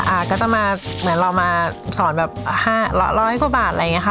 อ่าก็จะมาเหมือนเรามาสอนแบบห้าร้อยกว่าบาทอะไรอย่างนี้ค่ะ